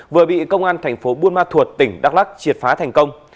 vừa bị công an thành phố buôn ma thuột tỉnh đắk lắc triệt phá thành công